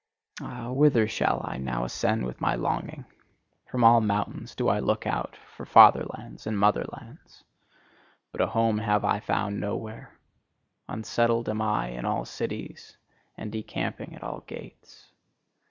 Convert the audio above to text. Ah, whither shall I now ascend with my longing! From all mountains do I look out for fatherlands and motherlands. But a home have I found nowhere: unsettled am I in all cities, and decamping at all gates.